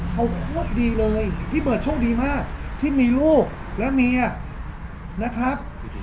เขาควบดีเลยพี่เบิร์ดโชคดีมากที่มีลูกและเมียนะครับ